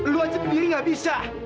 lo aja diri gak bisa